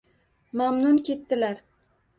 Mamnun ketdilar.